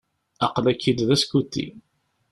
Aql-ak-id d askuti.